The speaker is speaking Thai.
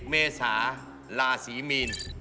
เมษาลาศรีมีน